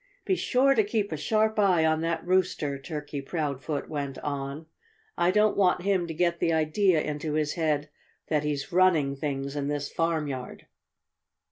"Be sure to keep a sharp eye on that Rooster." Turkey Proudfoot went on. "I don't want him to get the idea into his head that he's running things in this, farmyard."